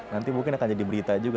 nanti mungkin akan jadi berita juga